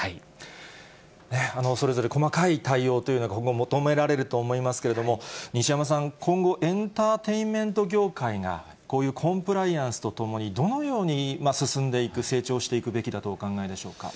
それぞれ、細かい対応というのが今後求められると思いますけれども、西山さん、今後、エンターテイメント業界が、こういうコンプライアンスとともにどのように進んでいく、成長していくべきだとお考えでしょうか。